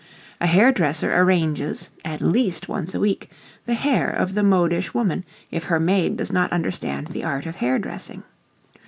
A hair dresser arranges, at least once a week, the hair of the modish woman if her maid does not understand the art of hair dressing.